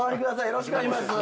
よろしくお願いします。